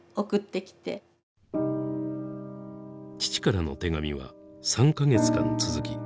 父からの手紙は３か月間続き